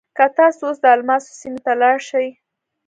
که تاسو اوس د الماسو سیمې ته لاړ شئ.